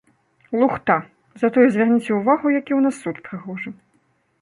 Лухта, затое звярніце ўвагу, які ў нас суд прыгожы.